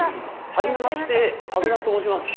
はじめまして伯山と申します。